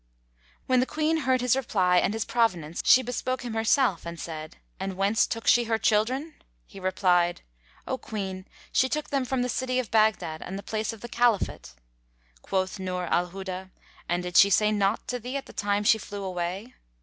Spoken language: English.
When the Queen heard his reply and his provenance, she bespoke him herself and said, "And whence took she her children?" He replied, "O Queen, she took them from the city of Baghdad and the palace of the Caliphate." Quoth Nur al Huda, "And did she say naught to thee at the time she flew away?